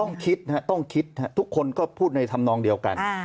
ต้องคิดต้องคิดทุกคนก็พูดในธรรมนองเดียวกัน